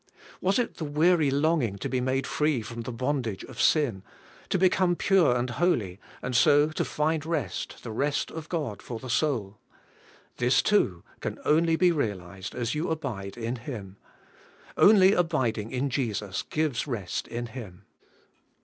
Was it the weary longing to be made free from the bondage of sin, to become pure and holy, and so to find rest, the rest of God for the soul? this too can only be realized as you abide in Him, — only abiding in Jesus gives rest in Him.